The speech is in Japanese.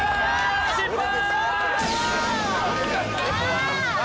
失敗！